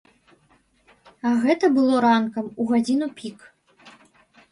А гэта было ранкам, у гадзіну пік.